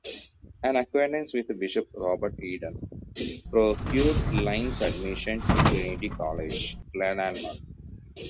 An acquaintance with Bishop Robert Eden procured Lyne's admission to Trinity College, Glenalmond.